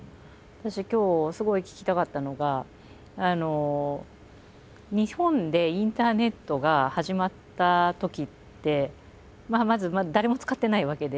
今日すごい聞きたかったのが日本でインターネットが始まったときってまず誰も使ってないわけで。